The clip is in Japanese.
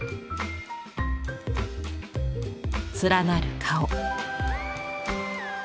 連なる顔。